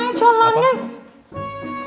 aku pergi dulu ya